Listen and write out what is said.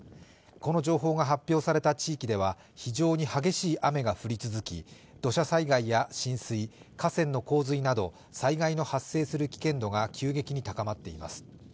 この情報が発表された地域では非常に激しい雨が降り続き土砂災害や浸水、河川の洪水など災害の発生する危険度が急激に高まっています。